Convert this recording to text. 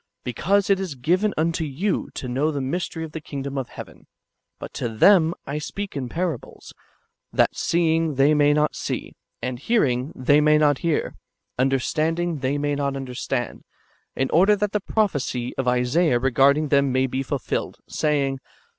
— "Because it is given vmto you to know the mystery of the kingdom of heaven ; but to them I speak in parables, that seeing they may not see, and hearing they may not hear, understanding they may not understand ; in order that the prophecy of Isaiah regard ing them may be fulfilled, saying.